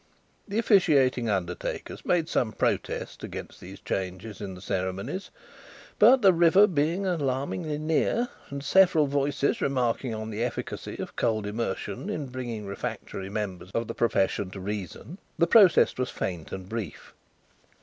The officiating undertakers made some protest against these changes in the ceremonies; but, the river being alarmingly near, and several voices remarking on the efficacy of cold immersion in bringing refractory members of the profession to reason, the protest was faint and brief.